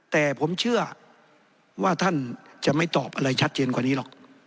แต่ผมเชื่อว่าท่านจะไม่ตอบอะไรชัดเจนกว่านี้หรอก